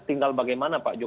tinggal bagaimana pak jokowi